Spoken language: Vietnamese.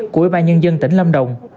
của ủy ban nhân dân tỉnh lâm đồng